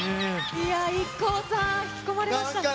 ＩＫＫＯさん、引き込まれました？